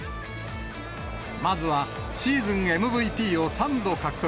まずはシーズンＭＶＰを３度獲得。